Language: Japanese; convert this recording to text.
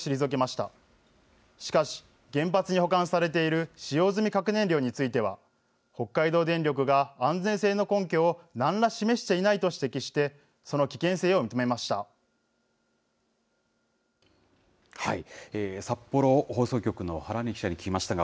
しかし、原発に保管されている使用済み核燃料については、北海道電力が安全性の根拠をなんら示していないと指摘して、その危険性を認めました。